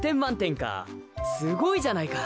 すごいじゃないか。